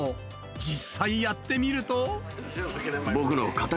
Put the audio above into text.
実際やってみると。